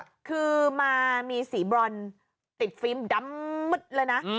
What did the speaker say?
นี่คือมาสีบรอนติดฟิล์มดำหมึดเลยนะ